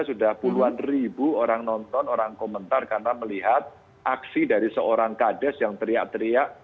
sudah puluhan ribu orang nonton orang komentar karena melihat aksi dari seorang kades yang teriak teriak